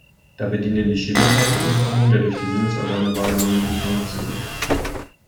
Dabei dienen die Schemata zur Umformung der durch die Sinnesorgane wahrgenommenen Informationen.